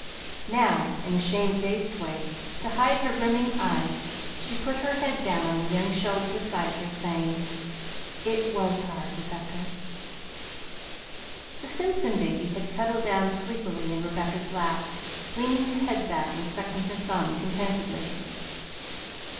Now, in a shamefaced way, to hide her brimming eyes, she put her head down on the young shoulder beside her, saying, "It was hard, Rebecca!" The Simpson baby had cuddled down sleepily in Rebecca's lap, leaning her head back and sucking her thumb contentedly.